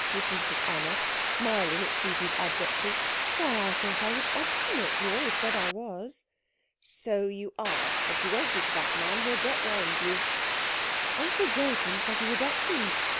repeated Anna, smiling at Susie's adjectives, "why, I thought I was obstinate you always said I was." "So you are. But you won't be to that man. He'll get round you." "Uncle Joachim said he was excellent."